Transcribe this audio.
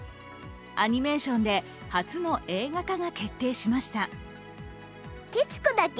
アニメーションで初の映画化が決定しました。